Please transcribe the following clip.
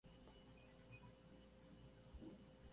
Hay áreas que permiten acampar y la colocación de hamacas.